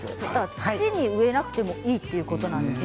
土に植えなくてもいいということなんですよね。